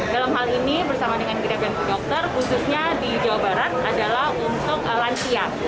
dalam hal ini bersama dengan kita bantu dokter khususnya di jawa barat adalah untuk lansia